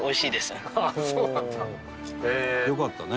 「おおよかったね」